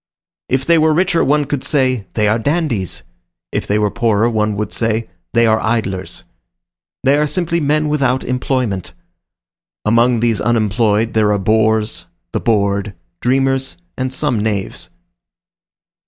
If they were richer, one would say, "They are dandies;" if they were poorer, one would say, "They are idlers." They are simply men without employment. Among these unemployed there are bores, the bored, dreamers, and some knaves.